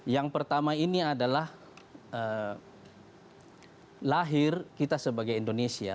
yang pertama ini adalah lahir kita sebagai indonesia